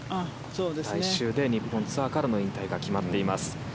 来週で日本ツアーからの引退が決まっています。